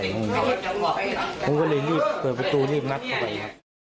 ผมก็เลยเรียกเปิดประตูเรียกมัทเข้าไป